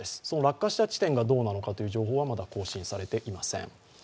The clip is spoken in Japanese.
その落下した地点がどうなのかという情報は更新されていません。